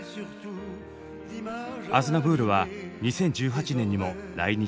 アズナヴールは２０１８年にも来日。